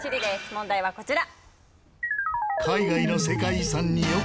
問題はこちら。